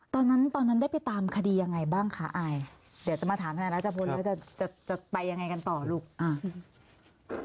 ตอนนั้นตอนนั้นได้ไปตามคดียังไงบ้างคะอายเดี๋ยวจะมาถามธนายรัชพลแล้วจะจะจะไปยังไงกันต่อลูกอ่า